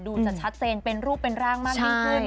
จะชัดเจนเป็นรูปเป็นร่างมากยิ่งขึ้น